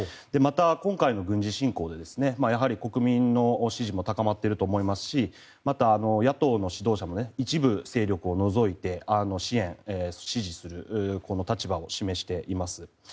また、今回の軍事侵攻で国民の支持も高まっていると思いますしまた、野党の指導者も一部勢力を除いて支援、支持するこの立場を示しています。